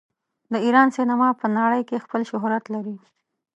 د ایران سینما په نړۍ کې خپل شهرت لري.